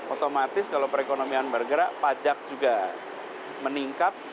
otomatis kalau perekonomian bergerak pajak juga meningkat